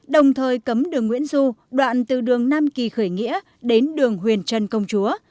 đồng thời cấm đường nguyễn du đoạn từ đường nam kỳ khởi nghĩa đến đường huyền trân công chúa